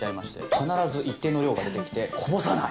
必ず一定の量が出てきてこぼさない！